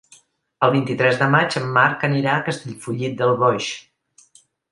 El vint-i-tres de maig en Marc anirà a Castellfollit del Boix.